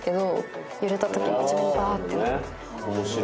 ・面白いね。